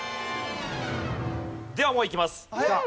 ではもういきます。